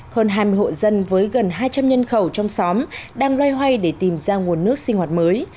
hơn hai mươi hộ dân với gần hai trăm linh nhân khẩu trong xóm đang loay hoay để tìm ra nguồn nước sinh hoạt mới